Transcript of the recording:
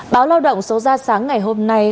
báo lao động số ra sáng ngày hôm nay